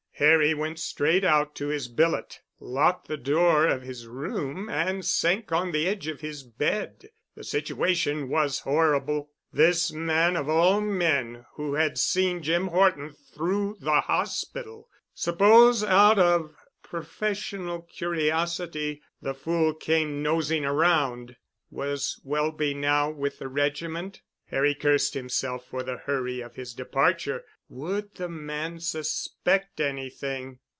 Harry went straight out to his billet, locked the door of his soom and sank on the edge of his bed. The situation was horrible. This man of all men who had seen Jim Horton through the hospital! Suppose out of professional curiosity the fool came nosing around! Was Welby now with the regiment? Harry cursed himself for the hurry of his departure. Would the man suspect anything?